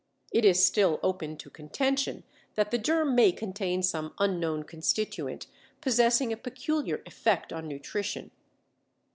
It is still open to contention that the germ may contain some unknown constituent possessing a peculiar effect on nutrition.